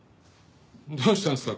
どうしたんですか？